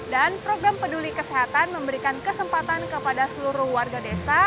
dan program peduli kesehatan memberikan kesempatan kepada seluruh warga desa